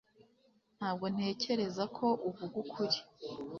Ntabwo ntekereza ko uvuga ukuri